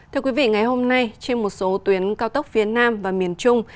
thưa quý vị ngày hôm nay trên một số tuyến cao tốc phía nam và miền trung